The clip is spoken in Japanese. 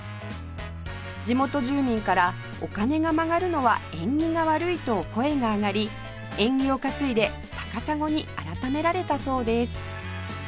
地元住民から「お金が曲がるのは縁起が悪い」と声が上がり縁起を担いで「高砂」に改められたそうです